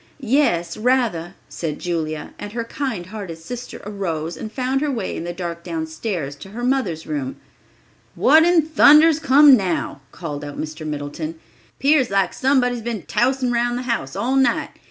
"Yes, rather," said Julia, and her kind hearted sister arose and found her way in the dark downstairs to her mother's room. "What in thunder's come now?" called out Mr. Middleton. "'Pears like somebody's been tousing round the house all night."